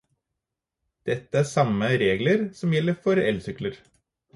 Dette er samme regler som gjelder for elsykler.